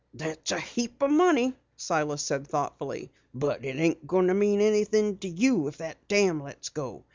"That's a heap o' money," Silas said thoughtfully. "But it ain't going to mean anything to you if that dam lets go.